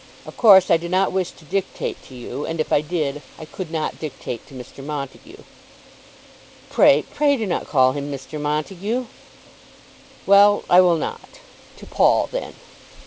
Of course, I do not wish to dictate to you, and if I did, I could not dictate to Mr. Montague." "Pray, pray do not call him Mr. Montague." "Well, I will not; to Paul then.